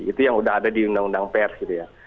itu yang udah ada di undang undang pers gitu ya